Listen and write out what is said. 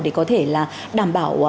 để có thể là đảm bảo